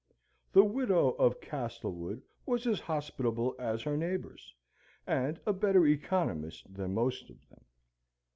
The widow of Castlewood was as hospitable as her neighbours, and a better economist than most of them.